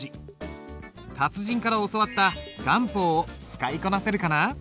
達人から教わった顔法を使いこなせるかな？